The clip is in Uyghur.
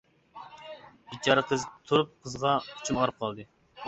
بىچارە قىز. تۇرۇپ قىزغا ئىچىم ئاغرىپ قالدى.